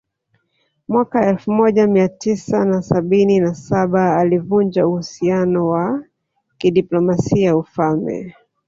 Mwaka elfu moja Mia tisa na sabini na saba alivunja uhusiano wa kidiplomasia Ufalme